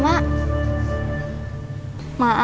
mau ajak sindi ikut main drama